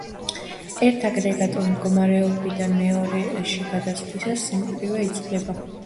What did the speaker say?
ერთ აგრეგატულ მდგომარეობიდან მეორეში გადასვლისაა სიმკრივე იცვლება